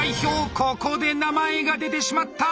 ここで名前が出てしまった。